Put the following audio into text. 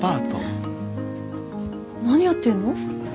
何やってんの？